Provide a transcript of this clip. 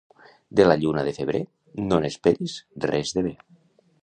De la lluna de febrer no n'esperis res de bé.